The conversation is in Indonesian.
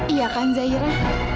iya kan zahira